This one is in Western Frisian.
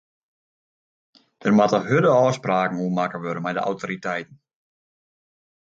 Dêr moatte hurde ôfspraken oer makke wurde mei de autoriteiten.